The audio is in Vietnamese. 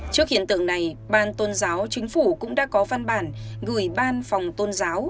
trước hiện tượng này ban tôn giáo chính phủ cũng đã có văn bản gửi ban phòng tôn giáo